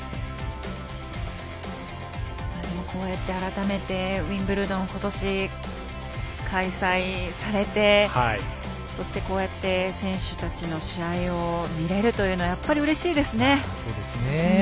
改めてウィンブルドンことし開催されてそして、こうやって選手たちの試合を見られるというのはやっぱりうれしいですね。